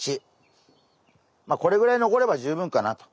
まあこれぐらい残れば十分かなと。